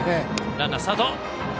ランナースタート。